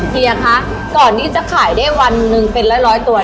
เฮียคะก่อนที่จะขายได้วันหนึ่งเป็นร้อยตัว